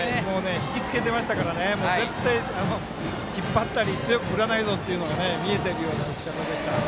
引きつけてましたからね絶対、引っ張ったり強く振らないぞというのが見えてるような打ち方でした。